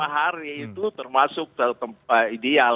tujuh puluh lima hari itu termasuk ideal